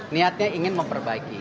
niatnya ingin memperbaiki